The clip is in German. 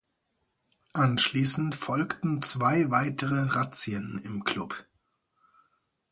Anschließend folgten zwei weitere Razzien im Club.